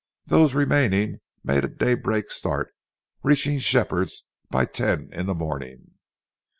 Those remaining made a daybreak start, reaching Shepherd's by ten in the morning.